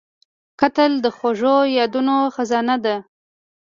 کتل د خوږو یادونو خزانه ده